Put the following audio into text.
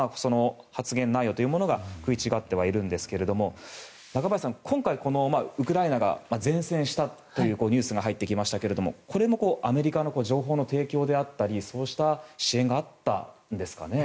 発言内容というのが食い違ってはいるんですが中林さん、今回ウクライナが善戦したというニュースが入ってきましたがこれもアメリカの情報の提供であったりそうした支援があったんですかね。